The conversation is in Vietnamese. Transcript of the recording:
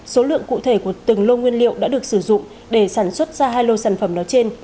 số lượng cụ thể của từng lô nguyên liệu đã được sử dụng để sản xuất ra hai lô sản phẩm nói trên